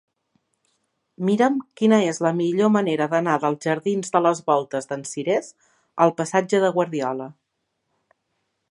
Mira'm quina és la millor manera d'anar dels jardins de les Voltes d'en Cirés al passatge de Guardiola.